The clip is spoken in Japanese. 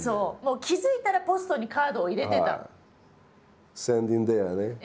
気付いたらポストにカードを入れてたの。